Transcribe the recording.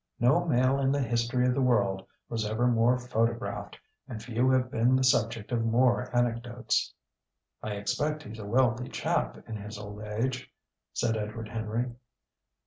No male in the history of the world was ever more photographed, and few have been the subject of more anecdotes. "I expect he's a wealthy chap in his old age," said Edward Henry.